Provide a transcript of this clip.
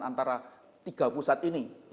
antara tiga pusat ini